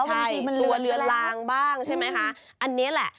บางทีมันเหลือแล้วใช่ตัวเหลือลางบ้างใช่ไหมคะอันนี้แหละ